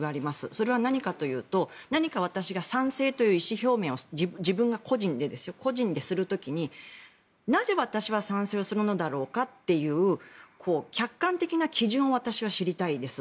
それは何かというと何か、私が賛成という意思表明を自分が個人でする時になぜ、私は賛成をするのだろうかという客観的な基準を私は知りたいです。